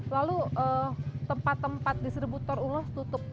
lalu tempat tempat distributor ulos tutup